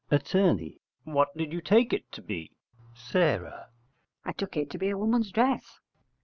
Att. What did you take it to be? S. I took it to be a woman's dress.